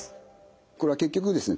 これは結局ですね